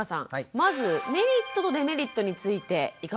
まずメリットとデメリットについていかがでしょうか？